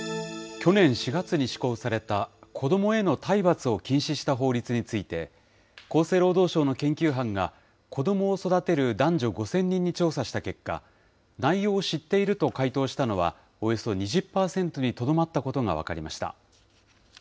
去年４月に施行された子どもへの体罰を禁止した法律について、厚生労働省の研究班が子どもを育てる男女５０００人に調査した結果、内容を知っていると回答したのはおよそ２０％にとどまったことが分かりました。